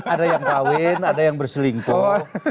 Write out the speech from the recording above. ada yang kawin ada yang berselingkuh